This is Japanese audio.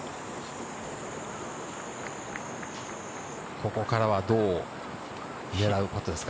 ここからはどう狙うか。